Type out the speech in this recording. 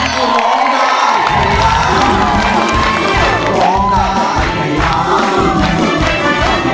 ร้องได้ร้องได้ร้องได้